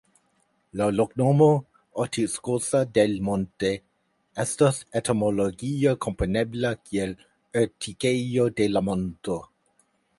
La loknomo "Ortigosa del Monte" estas etimologie komprenebla kiel Urtikejo de la Monto.